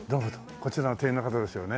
こちらの店員の方ですよね？